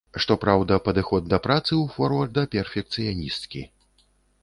Што праўда, падыход да працы ў форварда перфекцыянісцкі.